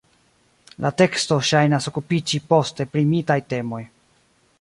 La teksto ŝajnas okupiĝi poste pri mitaj temoj.